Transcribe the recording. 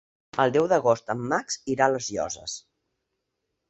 El deu d'agost en Max irà a les Llosses.